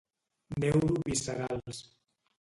Neuroviscerals.